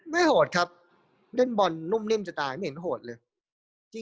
โหดครับเล่นบอลนุ่มนิ่มจะตายไม่เห็นโหดเลย